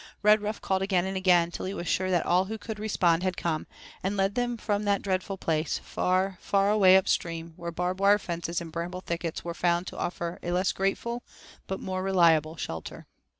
Redruff called again and again, till he was sure that all who could respond had come, and led them from that dreadful place, far, far away up stream, where barb wire fences and bramble thickets were found to offer a less grateful, but more reliable, shelter.